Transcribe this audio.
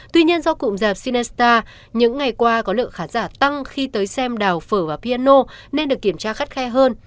tuy nhiên do cụm rạp sinesta những ngày qua có lượng khán giả tăng khi tới xem đào phở và piano nên được kiểm tra khắt khe hơn